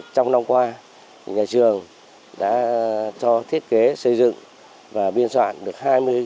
trong năm qua nhà trường đã cho thiết kế xây dựng và biên soạn được hai mươi